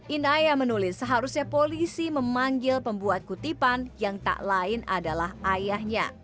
inaya menulis seharusnya polisi memanggil pembuat kutipan yang tak lain adalah ayahnya